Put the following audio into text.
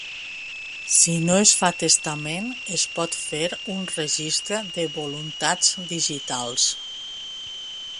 Si no es fa testament, es pot fer un registre de voluntats digitals.